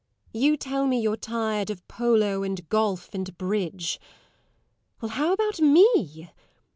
You tell me you're tired of polo, and golf, and bridge. Well, how about me?